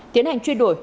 tiến hành truy đuổi